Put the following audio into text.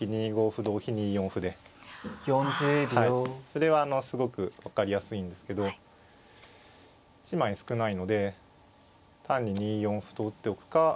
それはすごく分かりやすいんですけど１枚少ないので単に２四歩と打っておくか